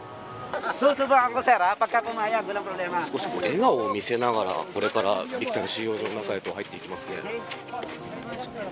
少し笑顔を見せながらこれからビクタン収容所の中へと入っていきますね。